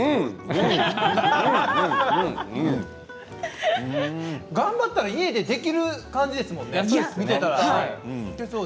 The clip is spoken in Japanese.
なんだったら家でできる感じですよね、見ていたら。